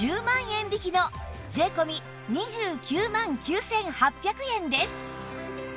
円引きの税込２９万９８００円です